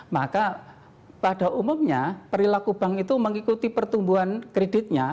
maka pada umumnya perilaku bank itu mengikuti pertumbuhan kreditnya